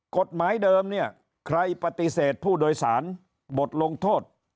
กฎหมายเดิมเนี่ยใครปฏิเสธผู้โดยสารบทลงโทษ